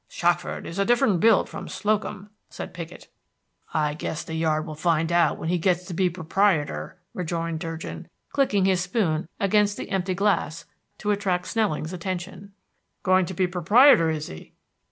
"Shackford is a different build from Slocum," said Piggott. "I guess the yard will find that out when he gets to be proprietor," rejoined Durgin, clicking his spoon against the empty glass to attract Snelling's attention. "Going to be proprietor, is he?"